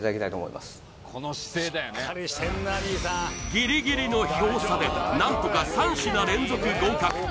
ギリギリの票差で何とか３品連続合格